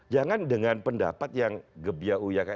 jangan dengan pendapat yang gebya uyaka